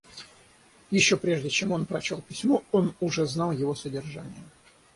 Еще прежде чем он прочел письмо, он уже знал его содержание.